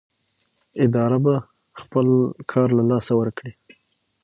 اداره به خپل کار له لاسه ورکړي.